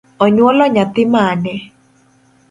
Onyuolo nyathi mane?